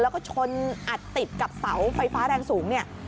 แล้วก็ชนอัดติดกับเสาไฟฟ้าแรงสูงเนี่ย